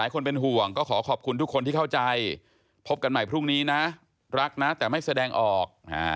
ก็ขอขอบคุณทุกคนที่เข้าใจพบกันไปรักนะแต่ไม่แสดงออก